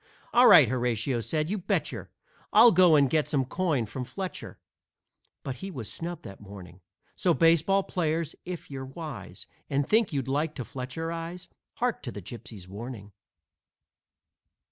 "All right!" Horatio said, "you betcher I'll go and get some coin from Fletcher," But he was snubbed that morning. So, baseball players, if you're wise, And think you'd like to Fletcherize, Hark to the Gypsy's warning!